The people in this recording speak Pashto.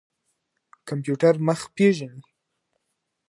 کمپيوټر مخ پېژني.